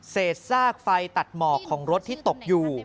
ซากไฟตัดหมอกของรถที่ตกอยู่